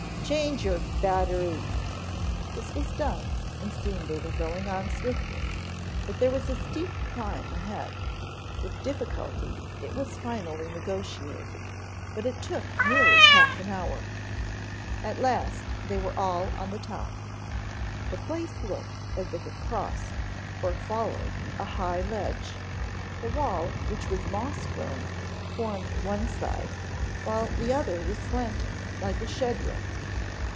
"Change your battery." This was done, and soon they were going on swiftly, but there was a steep climb ahead. With difficulty it was finally negotiated, but it took nearly half an hour. At last they were all on the top. The place looked as if it crossed, or followed a high ledge, the wall which was moss grown formed one side, while the other was slanting, like a shed roof.